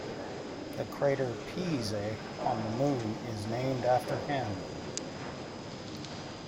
The crater Pease on the Moon is named after him.